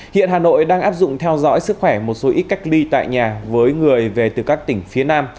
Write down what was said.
hiện hà nội đang áp dụng theo dõi sức khỏe một số ít cách ly tại nhà với người về từ các tỉnh phía nam